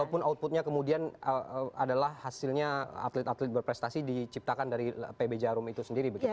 walaupun outputnya kemudian adalah hasilnya atlet atlet berprestasi diciptakan dari pb jarum itu sendiri begitu